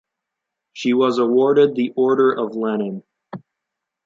She was awarded the Order of Lenin.